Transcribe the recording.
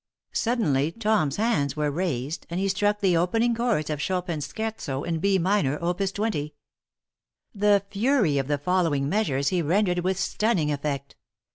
Suddenly Tom's hands were raised and he struck the opening chords of Chopin's Scherzo in B minor, Opus 20. The fury of the following measures he rendered with stunning effect.